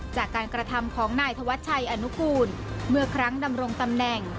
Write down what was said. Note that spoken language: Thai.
จากการกระทำของนายธวัชชัยอนุกูลเมื่อครั้งดำรงตำแหน่ง